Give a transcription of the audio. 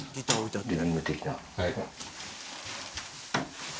はい。